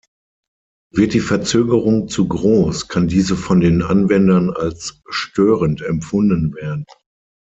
Wird die Verzögerung zu groß, kann diese von den Anwendern als störend empfunden werden.